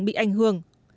bị ảnh hưởng